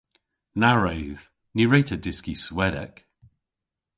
Na wredh. Ny wre'ta dyski Swedek.